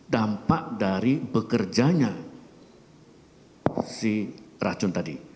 dampak dari bekerjanya si racun tadi